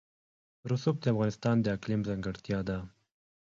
رسوب د افغانستان د اقلیم ځانګړتیا ده.